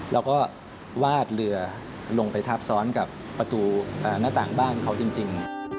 แล้วก็วาดเรือลงไปทับซ้อนกับประตูหน้าต่างบ้านเขาจริง